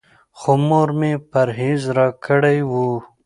خو مور مې پرهېز راکړی و.